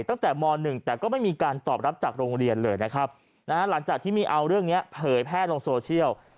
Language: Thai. ตั้งแต่ม๑แต่ก็ไม่มีการตอบรับจากโรงเรียนเลยนะครับนะฮะหลังจากที่มีเอาเรื่องนี้เผยแพร่ลงโซเชียล